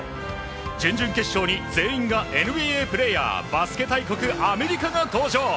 準々決勝に全員がＮＢＡプレーヤーバスケ大国、アメリカが登場。